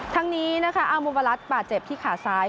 ทั้งนี้นะคะอาโมบาลัสบาดเจ็บที่ขาซ้าย